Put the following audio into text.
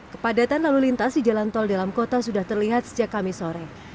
kepadatan lalu lintas di jalan tol dalam kota sudah terlihat sejak kamis sore